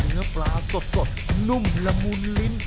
เนื้อปลาสดนุ่มละมุนลิ้น